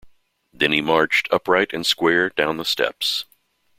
Then he marched, upright and square, down the steps.